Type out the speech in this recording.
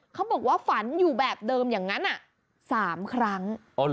เขาบอกว่าฝันอยู่แบบเดิมอย่างนั้น๓ครั้ง